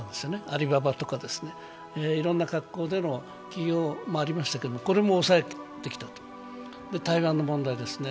アリババとかいろんな格好での企業もありましたけどこれも抑えてきた、台湾の問題ですね。